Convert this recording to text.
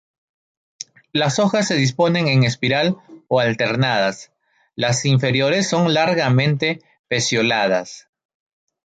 Las hojas se disponen en espiral o alternadas, las inferiores son largamente pecioladas.